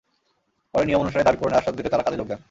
পরে নিয়ম অনুসারে দাবি পূরণের আশ্বাস দিলে তাঁরা কাজে যোগ দেন।